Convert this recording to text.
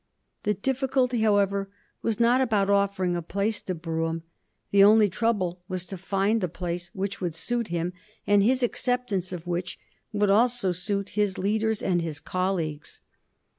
The difficulty, however, was not about offering a place to Brougham; the only trouble was to find the place which would suit him, and his acceptance of which would also suit his leaders and his colleagues.